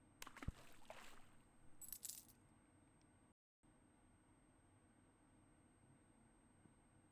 The Zenden of Sierre became the District of Sierre with Sierre as the capital.